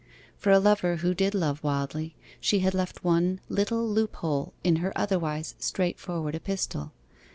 For a lover who did love wildly, she had left one little loophole in her otherwise straightforward epistle.